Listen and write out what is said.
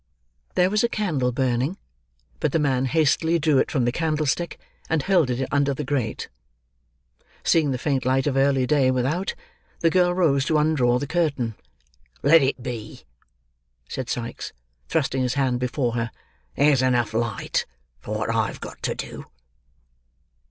There was a candle burning, but the man hastily drew it from the candlestick, and hurled it under the grate. Seeing the faint light of early day without, the girl rose to undraw the curtain. "Let it be," said Sikes, thrusting his hand before her. "There's enough light for wot I've got to do."